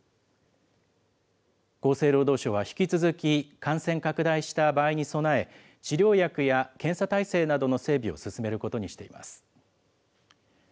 厚生労働省は引き続き、感染拡大した場合に備え、治療薬や検査体制などの整備を進めることにしています。